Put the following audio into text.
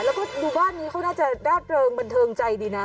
แล้วก็ดุบ้านนี้เขาน่าจะได้อันบรรเทิงใจดีนะ